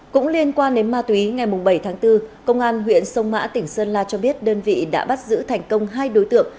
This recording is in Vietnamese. cũng liên quan đến ma túy ngày bảy tháng bốn công an huyện sông mã tỉnh sơn la cho biết đơn vị đã bắt giữ thành công hai đối tượng